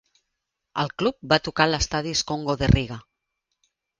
El club va tocar a l'estadi Skonto de Riga.